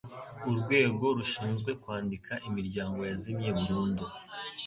urwego rushinzwe kwandika imiryango yazimye burundu